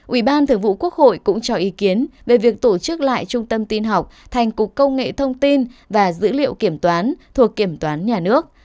ủy ban thường vụ quốc hội cũng cho ý kiến về việc tổ chức lại trung tâm tin học thành cục công nghệ thông tin và dữ liệu kiểm toán thuộc kiểm toán nhà nước